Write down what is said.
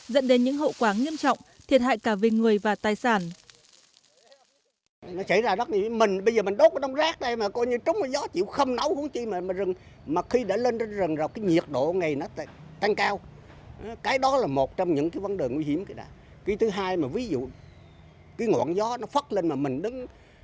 dẫn đến những hậu quả nghiêm trọng thiệt hại cả về người và tài sản